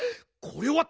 これ。